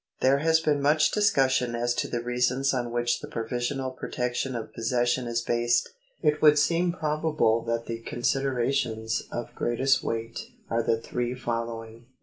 There has been much discussion as to the reasons on which this provisional protection of possession is based. It would seem probable that the considerations of greatest weight are the three following.